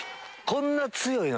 こんな強いの？